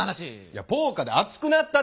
いやポーカーで熱くなったっていう話。